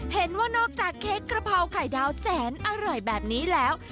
เห็นว่านอกจากเค้กกระเพราไข่ดาวแสนอร่อยแบบนี้แล้ว